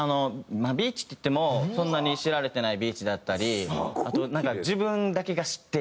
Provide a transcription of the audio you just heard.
ビーチっていってもそんなに知られてないビーチだったりあとはなんか自分だけが知っている。